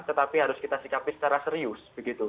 tetapi harus kita sikapi secara serius begitu